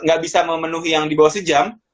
nggak bisa memenuhi yang di bawah sejam